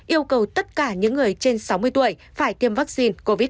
yêu cầu tất cả những người trên sáu mươi tuổi phải tiêm vaccine covid một mươi chín